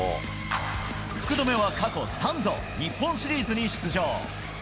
福留は過去３度、日本シリーズに出場。